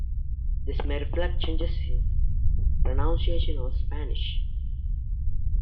This may reflect changes in the pronunciation of Spanish.